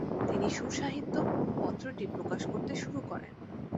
তিনি সুর সাহিত্য পত্রটি প্রকাশ করতে শুরু করেন।